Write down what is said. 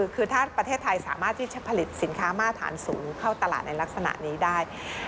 คือถ้าประเทศไทยสามารถที่จะผลิตสินค้ามาตรฐานสูงเข้าตลาดในลักษณะนี้ได้